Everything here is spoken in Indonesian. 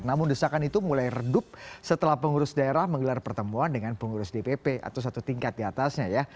namun desakan itu mulai redup setelah pengurus daerah menggelar pertemuan dengan pengurus dpp atau satu tingkat diatasnya ya